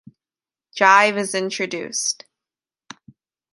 Jive is introduced.